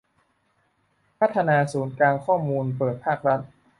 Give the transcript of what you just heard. พัฒนาศูนย์กลางข้อมูลเปิดภาครัฐ